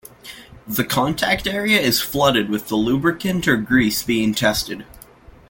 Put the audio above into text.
The contact area is flooded with the lubricant or grease being tested.